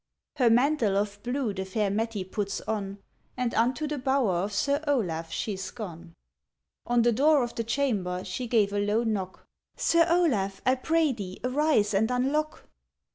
Her mantle of blue the fair Mettie puts on, And unto the bower of Sir Olaf sheŌĆÖs gone. On the door of the chamber she gave a low knock: ŌĆ£Sir Olaf, I pray thee, arise and unlock.